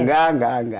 enggak enggak enggak